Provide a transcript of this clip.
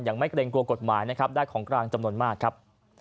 ไม่เกรงกลัวกฎหมายนะครับได้ของกลางจำนวนมากครับ